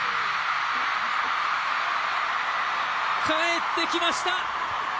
帰ってきました。